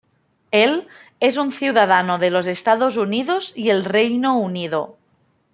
Él es un ciudadano de los Estados Unidos y el Reino Unido.